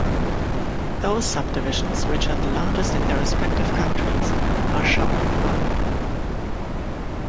Those subdivisions which are the largest in their respective countries are shown in bold.